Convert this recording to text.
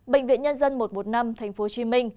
bệnh viện nhân dân một trăm một mươi năm tp hcm